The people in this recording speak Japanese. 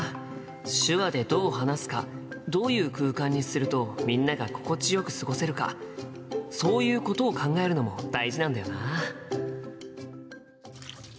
手話でどう話すかどういう空間にするとみんなが心地よく過ごせるかそういうことを考えるのも大事なんだよな。